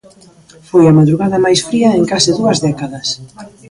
Foi a madrugada máis fría en case dúas décadas.